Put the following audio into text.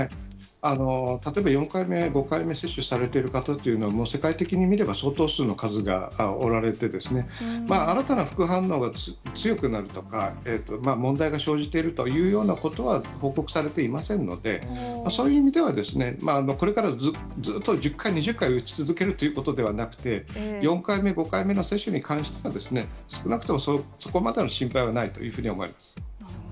例えば４回目、５回目、接種されてる方というのは、もう世界的に見れば、相当数の数がおられて、新たな副反応が強くなるとか、問題が生じているというようなことは報告されていませんので、そういう意味では、これからずっと１０回、２０回、打ち続けるということではなくて、４回目、５回目の接種に関しては、少なくともそこまでの心配はないというふうに思います。